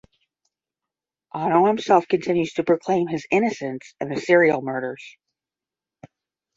Ono himself continues to proclaim his innocence in the serial murders.